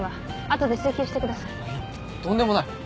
あっいやとんでもない。